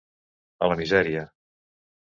A la misèria.